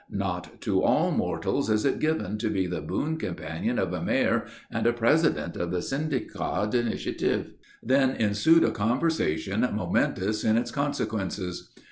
Not to all mortals is it given to be the boon companion of a Mayor and a President of the Syndicat d'Initiative! Then ensued a conversation momentous in its consequences.